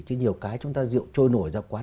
chứ nhiều cái chúng ta rượu trôi nổi ra quá